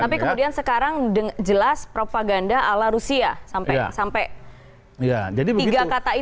tapi kemudian sekarang jelas propaganda ala rusia sampai tiga kata itu